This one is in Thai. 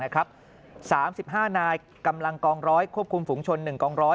๓๕นายกำลังกองร้อยควบคุมฝุงชน๑กองร้อย